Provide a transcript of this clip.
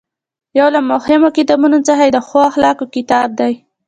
یو له مهمو کتابونو څخه یې د ښې اخلاقو کتاب دی.